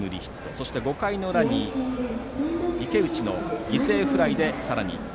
そして５回の裏に池内の犠牲フライでさらに１点。